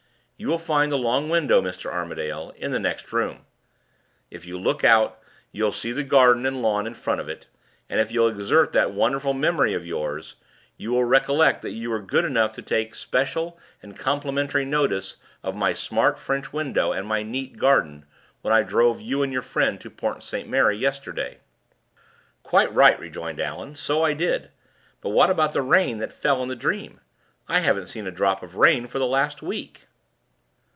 You will find the long window, Mr. Armadale, in the next room. If you look out, you'll see the garden and lawn in front of it; and, if you'll exert that wonderful memory of yours, you will recollect that you were good enough to take special and complimentary notice of my smart French window and my neat garden, when I drove you and your friend to Port St. Mary yesterday." "Quite right," rejoined Allan; "so I did. But what about the rain that fell in the dream? I haven't seen a drop of rain for the last week."